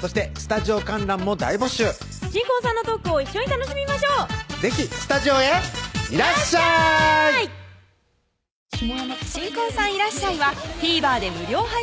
そしてスタジオ観覧も大募集新婚さんのトークを一緒に楽しみましょう是非スタジオへいらっしゃい新婚さんいらっしゃい！はＴＶｅｒ